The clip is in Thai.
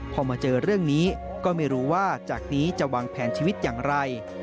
พอมาเจอเรื่องนี้ก็ไม่รู้ว่าจากนี้จะวางแผนชีวิตอย่างไร